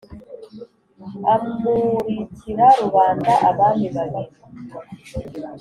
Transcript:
amurikira rubanda abami babiri: